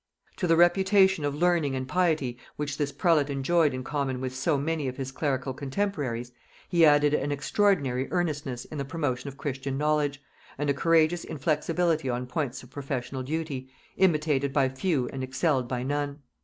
To the reputation of learning and piety which this prelate enjoyed in common with so many of his clerical contemporaries, he added an extraordinary earnestness in the promotion of Christian knowledge, and a courageous inflexibility on points of professional duty, imitated by few and excelled by none.